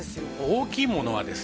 大きいものはですね